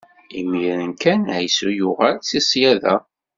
Imiren kan, Ɛisu yuɣal-d si ṣṣyada.